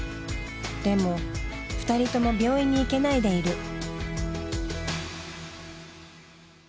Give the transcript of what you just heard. でも２人とも病院に行けないでいる。